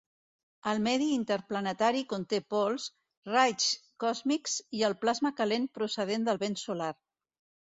El medi interplanetari conté pols, raigs còsmics i el plasma calent procedent del vent solar.